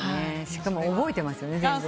しかも覚えてますよね。